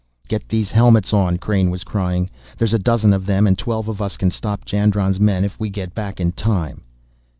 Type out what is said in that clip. "Get these helmets on!" Crain was crying. "There's a dozen of them, and twelve of us can stop Jandron's men if we get back in time!"